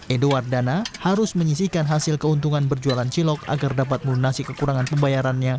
edo wardana harus menyisikan hasil keuntungan berjualan cilok agar dapat melunasi kekurangan pembayarannya